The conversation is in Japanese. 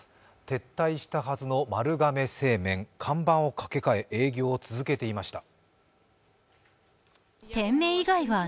撤退したはずの丸亀製麺看板を掛け替え営業を続けていました。